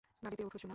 গাড়িতে উঠো, সোনা।